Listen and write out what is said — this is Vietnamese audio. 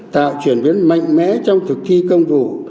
tạo chuyển biến mạnh mẽ trong thực thi công vụ